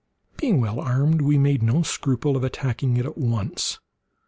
Being well armed, we made no scruple of attacking it at once.